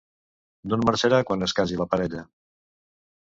D'on marxarà quan es casi la parella?